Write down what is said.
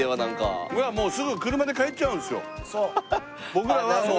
僕らはもう。